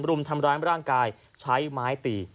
รุมทำร้ายร่างกายใช้ไม้ตี